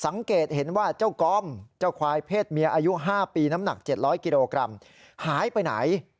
สังเกตเห็นว่าเจ้ากอมเจ้าควายเพศเมียอายุ๕ปีน้ำหนัก๗๐๐กิโลกรัมหายไปไหน